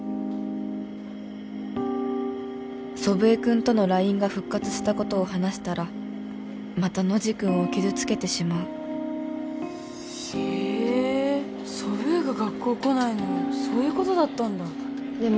祖父江君とのＬＩＮＥが復活したことを話したらまたノジ君を傷つけてしまうへえソブーが学校来ないのそういうことだったんだでも